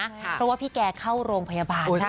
เพราะว่าพี่แกเข้าโรงพยาบาลค่ะ